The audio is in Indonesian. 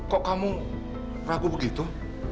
kok kamu ragu begitu